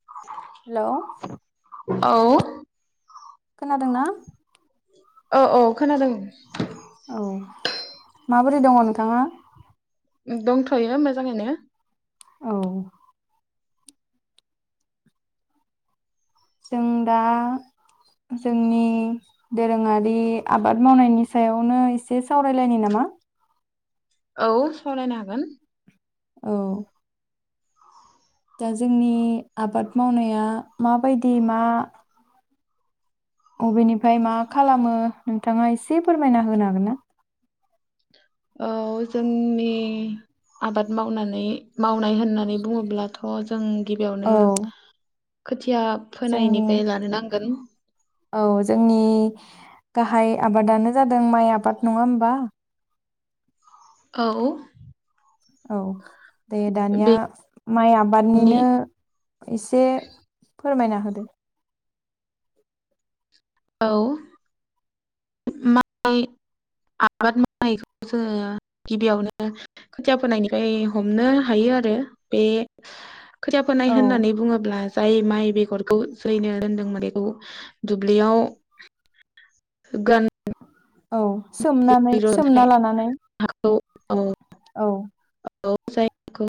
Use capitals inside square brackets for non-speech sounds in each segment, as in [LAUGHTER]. हेल'। औ। खोनादोंना औ औ खोनादों। औ माबोरै दङ नोंथाङा। दंथयो मोजाङैनो। औ। जों दा जोंनि दोरोङारि आबाद मावनायनि सायावनो एसे सावरायलायनि नामा। औ सावरायनो हागोन। औ। दा जोंनि आबाद मावनाया माबायदि मा। अबेनिफ्राय मा खालामो नोंथाङा एसे फोरमायना होनो हागोन ना। औ जोंनि आबाद मावनानै माव नाय होननानै बुङोब्लाथ जों। गिबियावनो। औ खोथि थिया जोंनि फोनायनिफ्राय लानो नांगोन औ जोंनि। गाहाय आबादानो जादों माइ आबाद नङा होमबा। औ। औ। दे दानिया माइ बेनि आबादनिनो एसे। फोरमायना होदो। औ। माइ आबाद मावनायखौ जोङो गिबियावनो खोथिया फोनायनिफ्राय हमनो हायो आरो बे खोथिया फोनाय औ होननानै बुङोब्ला जाय माइ बेगर। [INAUDIBLE] जैनो दोनदोंमोन बेखौ दुब्लियाव गोन। औ सोमनानै सोमना थाखाय लानानै। औ। औ। औ जायखौ।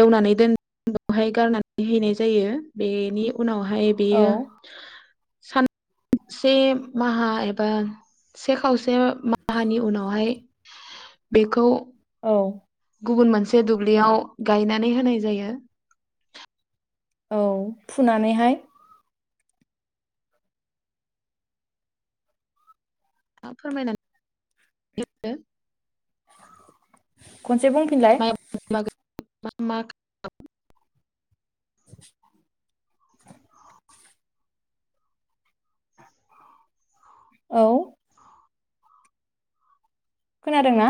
एवनानै दोन बेवहाय गारनानै हैनाय जायो बेनि। उनावहाय औ बेयो। सान से माहा एब बा से खावसे माहानि उनावहाय बेखौ। औ। गुबुन मोनसे दुब्लियाव गायनानै होनाय जायो। औ फुनानैहाय। आ फोरमायनांग [INAUDIBLE] [INAUDIBLE] खनसे बुंफिनलाय। म मा? [INAUDIBLE] औ। खोनादों ना?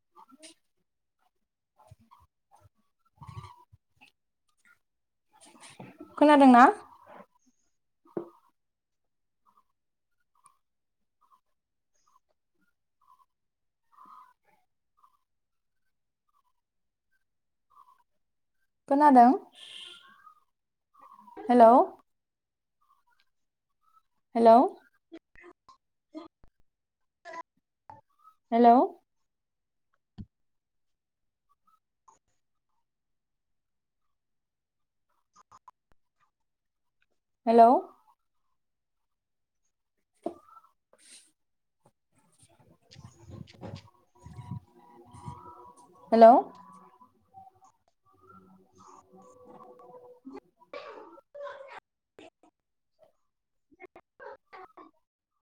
[INAUDIBLE] खोनादोंना? खोनादों? हेलौ। हेलौ। हेलौ। हेल' [INAUDIBLE] [INAUDIBLE] हेल'। [INAUDIBLE] [INAUDIBLE]